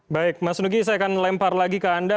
baik mas nugi saya akan lempar lagi ke anda